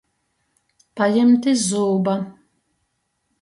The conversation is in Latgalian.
Pajimt iz zūba.